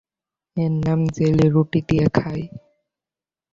এর নাম জেলি, রুটি দিয়ে খায়।